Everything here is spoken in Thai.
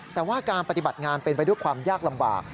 แต่ว่าการปฏิบัติงานเป็นไปด้วยความยากลำบาก